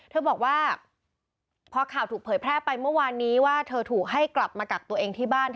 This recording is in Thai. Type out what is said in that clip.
เธอบอกว่าพอข่าวถูกเผยแพร่ไปเมื่อวานนี้ว่าเธอถูกให้กลับมากักตัวเองที่บ้าน